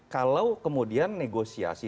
kalau kemudian negosiasi